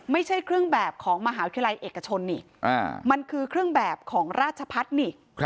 ไม่ใช่เครื่องแบบของมหาวิทยาลัยเอกชนอีกมันคือเครื่องแบบของราชพัฒนิก